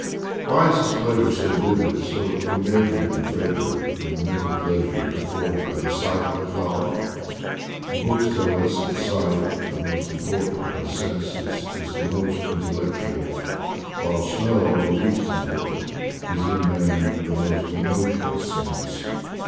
Why is this pleasure so vivid, so im measurably greater than the mental pleasure af forded by the sight of the flower? The books tell us that sight, the most important of our senses, is the most intellectual; while smell, the least im portant, is in man the most emotional sense.